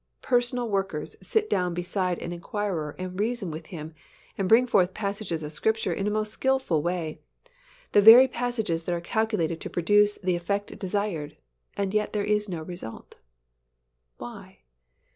Personal workers sit down beside an inquirer and reason with him, and bring forward passages of Scripture in a most skillful way, the very passages that are calculated to produce the effect desired and yet there is no result. Why?